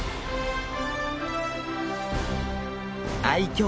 愛きょう